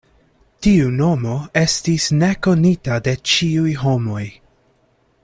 Tiu nomo estis nekonita de ĉiuj homoj.